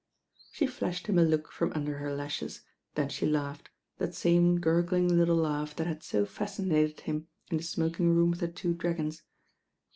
She flashed him a look from under her lashes, then she laughed, that same gurgling little laugh that had so fascinated him in the smoking room of "The Two Dragons."